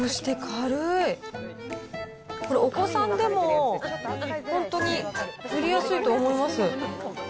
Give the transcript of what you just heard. これ、お子さんでも本当に塗りやすいと思います。